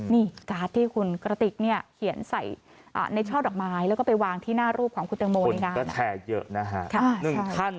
นี่การ์ดที่คุณกระติกเนี่ยเขียนใส่ในช่อดอกไม้แล้วก็ไปวางที่หน้ารูปของคุณตังโมนี่นะ